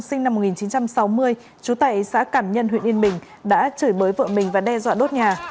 sinh năm một nghìn chín trăm sáu mươi trú tại xã cảm nhân huyện yên bình đã chửi bới vợ mình và đe dọa đốt nhà